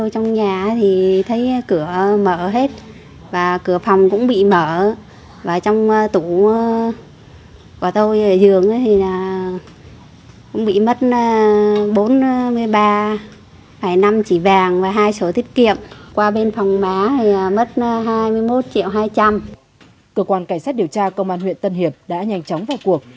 cơ quan cảnh sát điều tra công an huyện tân hiệp đã nhanh chóng vào cuộc